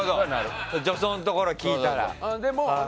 助走のところを聞いたらね。